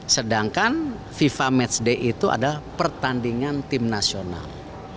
sedangkan fifa matchday itu adalah pertandingan tim nasional